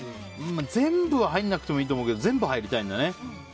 全部は入らなくていいと思うけど全部入りたいんだね。